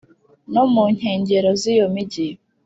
no mu nkengero z'iyo mijyi